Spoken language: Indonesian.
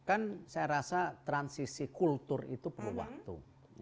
kan saya rasa transisi kultur itu perlu waktu